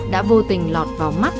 đã vô tình lọt vào mắt